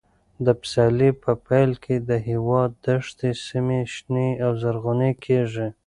د پسرلي په پیل کې د هېواد دښتي سیمې شنې او زرغونې کېږي.